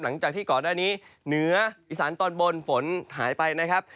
หลังจากที่ก่อนหน้านี้เหนืออีสานตอนบนฝนหายไปนะครับ